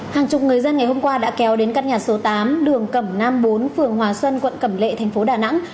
hàng chục người dân ngày hôm qua đã kéo đến các nhà số tám đường cẩm nam bốn phường hòa xuân quận cẩm lệ thành phố đà nẵng